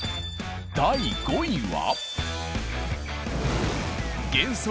第５位は。